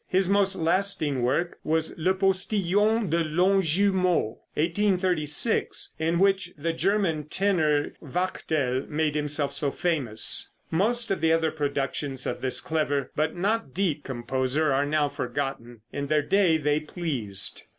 His most lasting work was "Le Postillon de Lonjumeau" (1836), in which the German tenor Wachtel made himself so famous. Most of the other productions of this clever, but not deep, composer, are now forgotten. In their day they pleased.